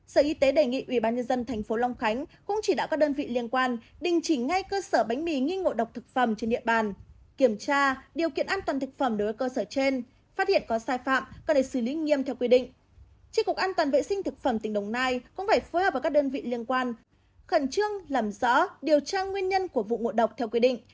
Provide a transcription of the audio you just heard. sở y tế đề nghị ubnd tp long khánh cũng chỉ đạo các đơn vị liên quan đình chỉ ngay cơ sở bánh mì nghi ngồi độc thực phẩm trên địa bàn kiểm tra điều kiện an toàn thực phẩm đối với cơ sở trên phát hiện có sai phạm cần để xử lý nghiêm theo quy định